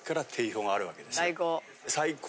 最高。